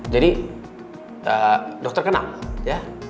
jadi dokter kenal ya